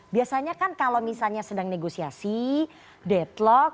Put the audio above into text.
biasanya kan kalau misalnya sedang negosiasi deadlock